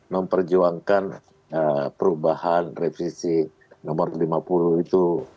memperjuangkan perubahan revisi nomor lima puluh itu